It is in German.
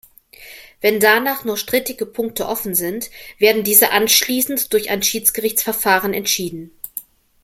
Wenn danach noch strittige Punkte offen sind, werden diese anschließend durch ein Schiedsgerichtsverfahren entschieden.